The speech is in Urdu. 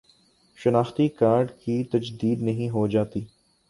شناختی کارڈ کی تجدید نہیں ہوجاتی